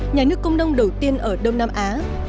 nhà nước công đông đầu tiên ở đông nam á